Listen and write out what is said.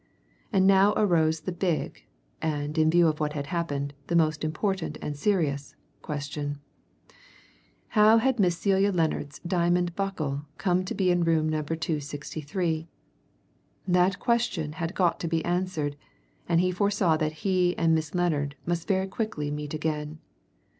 And now arose the big (and, in view of what had happened, the most important and serious) question how had Miss Celia Lennard's diamond buckle come to be in Room Number 263? That question had got to be answered, and he foresaw that he and Miss Lennard must very quickly meet again.